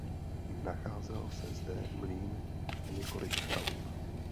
Nacházel se zde mlýn a několik chalup.